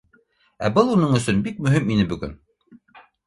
Ә был үның өсөн бик мөһим ине бөгөн